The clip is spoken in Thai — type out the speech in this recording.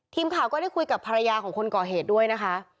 ทีมข่าวก็ได้คุยกับภรรยาของคนก่อเหตุด้วยนะคะ